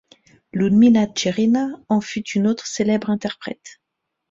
Ludmila Tchérina en fut une autre célèbre interprète.